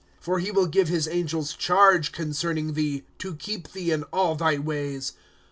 " For he will give his angels charge concerning thee, To keep thee in all thy ways.